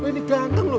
wah ini ganteng loh